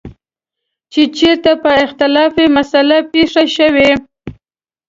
چې چېرته به اختلافي مسله پېښه شوه.